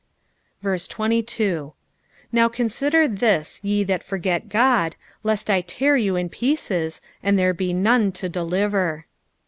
22 Now consider this, ye that forget God, lest I tear yau in pieces, and //ure be none to deliver.